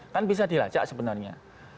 kan bisa dilacak sebenarnya